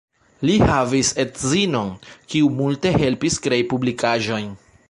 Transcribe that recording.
Li havis edzinon, kiu multe helpis krei publikaĵojn.